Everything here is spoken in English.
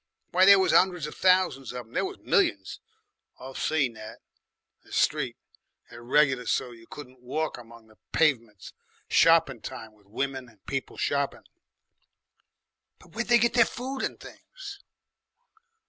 Why, there was 'undreds of thousands of them. There was millions. I've seen that 'I Street there regular so's you couldn't walk along the pavements, shoppin' time, with women and people shoppin'." "But where'd they get their food and things?"